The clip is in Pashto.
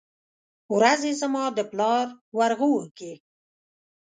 ورځې زما دپلار ورغوو کې